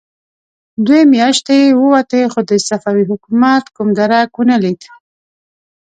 دوې مياشتې ووتې، خو د صفوي حکومت کوم درک ونه لګېد.